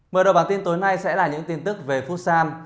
mở đầu bản tin tối nay sẽ là những tin tức về futsal